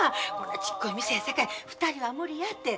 ちっこい店やさかい２人は無理やて。